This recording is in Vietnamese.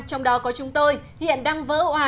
trong đó có chúng tôi hiện đang vỡ hoà